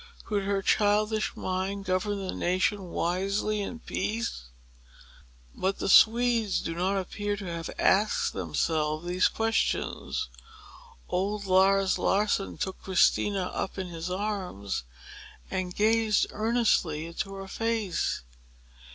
Could her childish mind govern the nation wisely in peace? But the Swedes do not appear to have asked themselves these questions. Old Lars Larrson took Christina up in his arms, and gazed earnestly into her face.